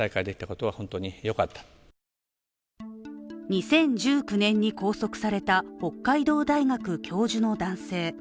２０１９年に拘束された北海道大学教授の男性。